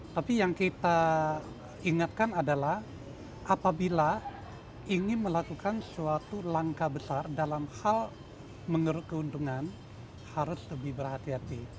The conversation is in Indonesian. tapi yang kita ingatkan adalah apabila ingin melakukan suatu langkah besar dalam hal menurut keuntungan harus lebih berhati hati